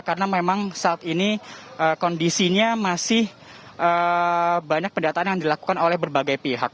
karena memang saat ini kondisinya masih banyak pendataan yang dilakukan oleh berbagai pihak